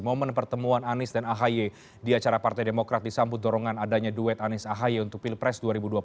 momen pertemuan anis dan ahaye di acara partai demokrat disambut dorongan adanya duet anis ahaye untuk pilpres dua ribu dua puluh empat